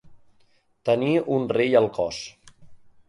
Tenir un rei al cos.